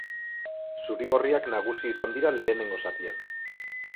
Zurigorriak nagusi izan dira lehenengo zatian.